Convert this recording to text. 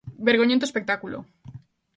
Vergoñento espectáculo.